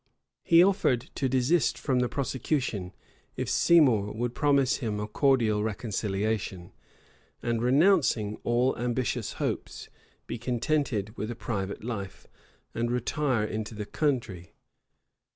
He offered to desist from the prosecution, if Seymour would promise him a cordial reconciliation, and, renouncing all ambitious hopes, be contented with a private life, and retire into the country.